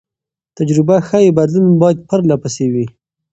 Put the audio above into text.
تجربه ښيي بدلون باید پرله پسې وي.